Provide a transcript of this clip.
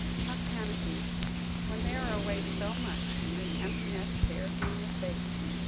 How can it be, when they are away so much, and the empty nest stares me in the face?